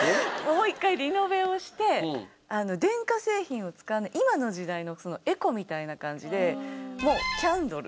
もう一回リノベをして電化製品を使わない今の時代のエコみたいな感じでもうキャンドル。